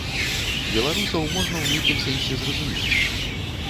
Беларусаў можна ў нейкім сэнсе зразумець.